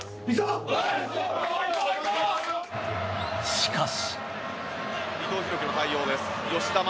しかし。